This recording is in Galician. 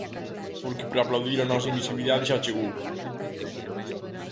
Porque para aplaudir a nosa invisibilidade xa chegou.